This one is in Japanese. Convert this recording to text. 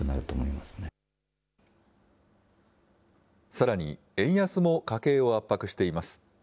さらに、円安も家計を圧迫しています。